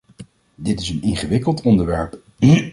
Dit is een ingewikkeld onderwerp.